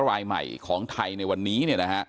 รายใหม่ของไทยในวันนี้